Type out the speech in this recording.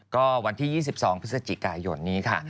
ก็วันที่๒๒พฤศจิกายนนี้ค่ะ